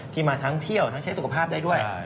ที่มาทั้งเที่ยวทั้งใช้สุขภาพได้ด้วย